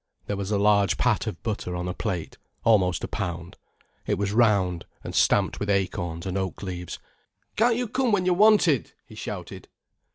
There was a large pat of butter on a plate, almost a pound. It was round, and stamped with acorns and oak leaves. "Can't you come when you're wanted?" he shouted.